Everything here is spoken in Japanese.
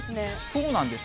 そうなんです。